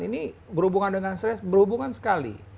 ini berhubungan dengan stres berhubungan sekali